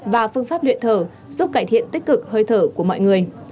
và phương pháp luyện thở giúp cải thiện tích cực hơi thở của mọi người